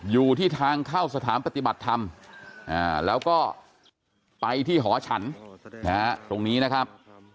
อยู่ที่ทางเข้าสถานปฏิบัติธรรมแล้วก็ไปที่หอฉันตรงนี้นะครับ